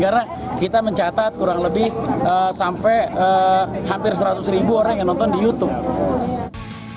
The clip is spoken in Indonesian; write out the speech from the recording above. karena kita mencatat kurang lebih sampai hampir seratus ribu orang yang nonton di youtube